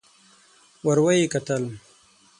ور ويې کتل.